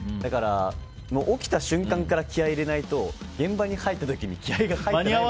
起きた瞬間から気合入れないと現場に入った時に間に合わなくて。